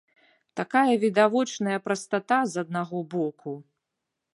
Такая відавочная прастата з аднаго боку.